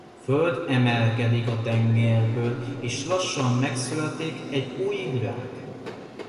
Föld emelkedik a tengerből és lassan megszületik egy új világ.